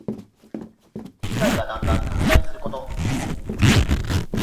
被害がだんだん拡大すること。